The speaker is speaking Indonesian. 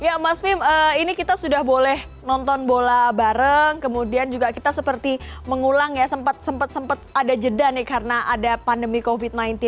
ya mas fim ini kita sudah boleh nonton bola bareng kemudian juga kita seperti mengulang ya sempat sempat ada jeda nih karena ada pandemi covid sembilan belas